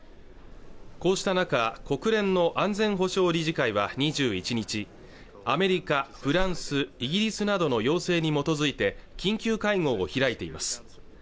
こうした中国連の安全保障理事会は２１日アメリカ、フランス、イギリスなどの要請に基づいて緊急会合を開いています